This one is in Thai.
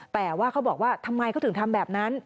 แต่ว่าเขาบอกว่าทำไมเขาถึงทำแบบนั้น